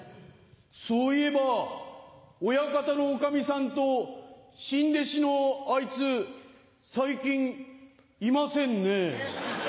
そういえば親方のおかみさんと新弟子のあいつ最近いませんね。